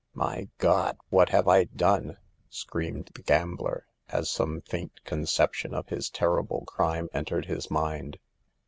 " "My God! what have I done?" screamed the gambler, as some faint conception of his terrible crime entered his mind.